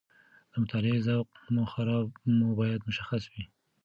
د مطالعې ذوق مو باید مشخص وي.